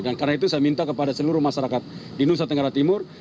dan karena itu saya minta kepada seluruh masyarakat di nusa tenggara timur